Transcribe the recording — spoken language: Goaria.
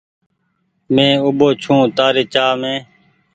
مين اوٻو ڇون تآري چآه مين ۔